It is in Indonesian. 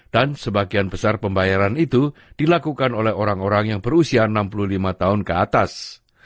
dan sebagian besar pembayaran itu dilakukan oleh orang orang yang berusia enam puluh lima tahun ke atas